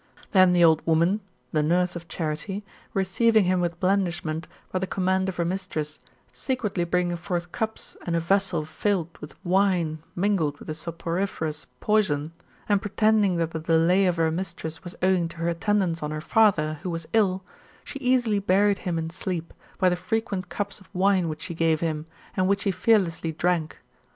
Then the old woman [the nurse of Charite], receiving him with blandishment, by the command of her mistress, secretly bringing forth cups and a vessel filled with wine mingled with a soporiferous poison, and pretending that the delay of her mistress was owing to her attendance on her father, who was ill, she easily buried him in sleep, by the frequent cups of wine which she gave^ him, and which he fearlessly drank.